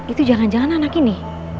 itu jangan jangan anak ini